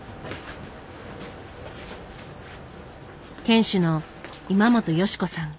店主の今本義子さん。